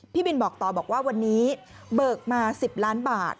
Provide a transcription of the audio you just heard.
พี่บินบอกต่อบอกว่าวันนี้เบิกมา๑๐ล้านบาท